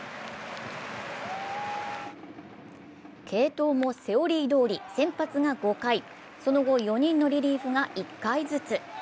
継投もセオリーどおり先発が５回、その後、４人のリリーフが１回ずつ。